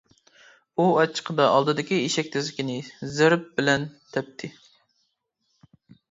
ئۇ ئاچچىقىدا ئالدىدىكى ئېشەك تېزىكىنى زەرب بىلەن تەپتى.